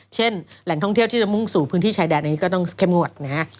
เช่นแหล่งท่องเที่ยวที่ยังหนึ่งสู่พื้นที่ชายแดนเราก็ต้องเข้มงวด